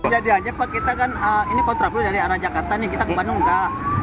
jadi aja pak kita kan ini kontraflow dari arah jakarta nih kita ke bandung enggak